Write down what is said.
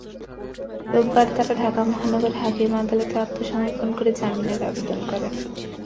রোববার তাঁরা ঢাকা মহানগর হাকিম আদালতে আত্মসমর্পণ করে জামিনের আবেদন করেন।